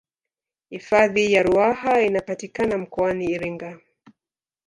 hifadhi ya ruaha inapatikana mkoani iringa